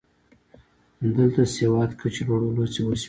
دلته د سواد کچې لوړولو هڅې وشوې